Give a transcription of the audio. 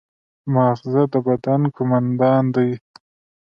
ماغزه د بدن قوماندان دی